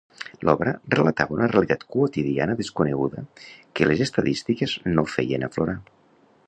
L'obra relatava una realitat quotidiana desconeguda que les estadístiques no feien aflorar.